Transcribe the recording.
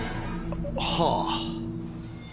はあ。